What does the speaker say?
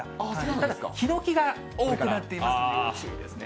ただ、ヒノキが多くなっていますので、ご注意ですね。